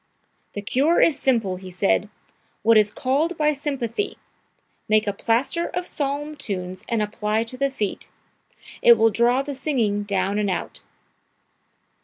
"'The cure is simple,' he said; 'what is called by sympathy make a plaster of psalm tunes and apply to the feet; it will draw the singing down and out!'"